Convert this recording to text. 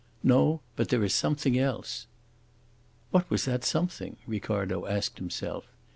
No, but there is something else." What was that something? Ricardo asked himself.